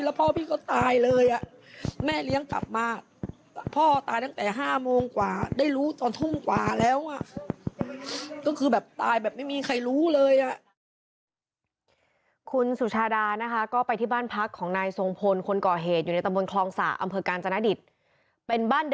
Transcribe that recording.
แล้วพ่อพี่ก็ตายเลยอะ